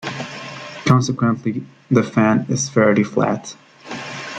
Consequently, the fan is fairly flat.